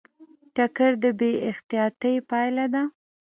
ټکر د بې احتیاطۍ پایله ده.